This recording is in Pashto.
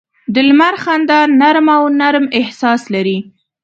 د لمر خندا نرمه او نرم احساس لري